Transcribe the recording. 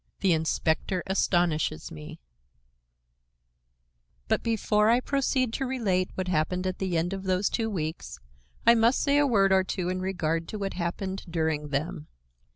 THE INSPECTOR ASTONISHES ME But before I proceed to relate what happened at the end of those two weeks, I must say a word or two in regard to what happened during them.